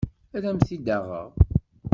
Ad am-t-id-aɣeɣ.